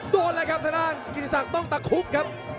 โดนเลยครับสถานกิจิสักต้องตะคุกครับ